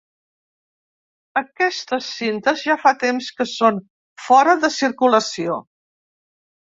Aquestes cintes ja fa temps que són fora de circulació.